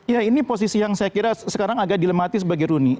ya ini posisi yang saya kira sekarang agak dilematis bagi rooney